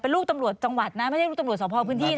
ลูกตำรวจจังหวัดนะไม่ใช่ลูกตำรวจสอบพอพื้นที่นะ